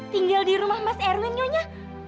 tinggal di rumah mas erwin nyonya